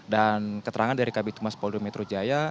dan keterangan dari kabupaten mas poli metro jaya